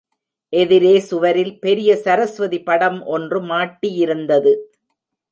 எதிரே சுவரில் பெரிய சரஸ்வதி படம் ஒன்று மாட்டியிருந்தது.